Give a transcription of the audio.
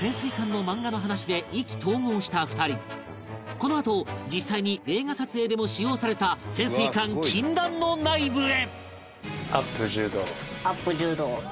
このあと実際に映画撮影でも使用された潜水艦禁断の内部へ！